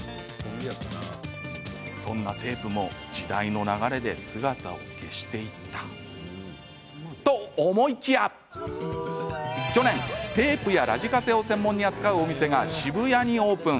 そんなテープも時代の流れで姿を消していったと思いきや去年、テープやラジカセを専門に扱うお店が渋谷にオープン。